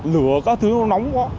lửa các thứ nó nóng quá